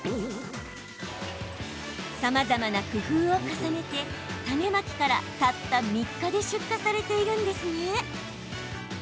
さまざまな工夫を重ねて種まきから、たった３日で出荷されているんですね。